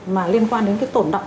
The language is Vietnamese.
mà liên quan đến cái tình trạng này